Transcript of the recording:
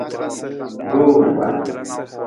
Jowdba.